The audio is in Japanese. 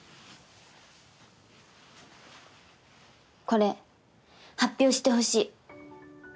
これ発表してほしい。